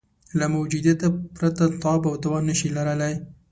له موجودیته پرته تاب او توان نه شي لرلای.